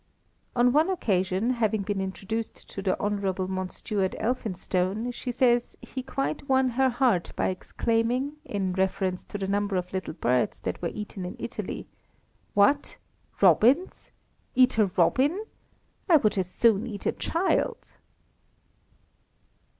On one occasion, having been introduced to the Hon. Mountstuart Elphinstone, she says he quite won her heart by exclaiming, in reference to the number of little birds that were eaten in Italy, "What! robins! Eat a robin! I would as soon eat a child."